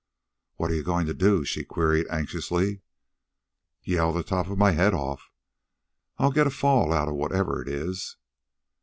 "What are you going to do?" she queried anxiously. "Yell the top of my head off. I'll get a fall outa whatever it is."